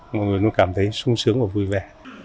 mọi người luôn cảm thấy sung sướng và vui vẻ